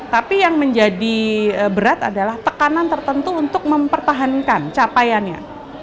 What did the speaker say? tapi yang menjadi berat adalah tekanan tertentu untuk mempertahankan capaiannya